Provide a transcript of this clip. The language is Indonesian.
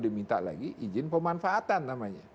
diminta lagi izin pemanfaatan namanya